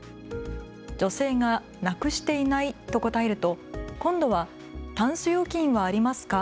女性がなくしていないと答えると今度は、タンス預金はありますか。